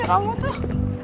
ih kamu tuh